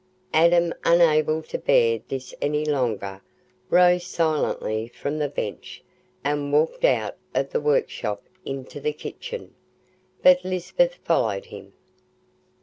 Adam, unable to bear this any longer, rose silently from the bench and walked out of the workshop into the kitchen. But Lisbeth followed him.